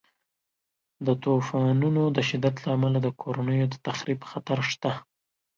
د طوفانونو د شدت له امله د کورنیو د تخریب خطر شته.